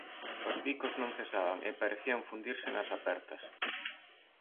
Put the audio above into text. Os bicos non cesaban e parecían fundirse nas apertas.